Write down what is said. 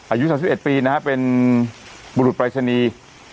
อายุ๓๑ปีนะฮะเป็นบุรุษปรายศนีย์